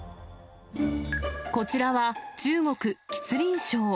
こちらは中国・吉林省。